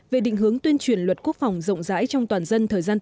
về định hướng tuyên truyền luật quốc phòng rộng rãi trong toàn dân thời gian tới